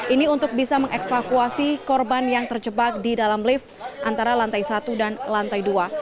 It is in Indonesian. ini untuk bisa mengevakuasi korban yang terjebak di dalam lift antara lantai satu dan lantai dua